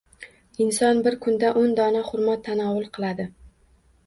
Inson bir kunda o‘n dona xurmo tanovvul qiladi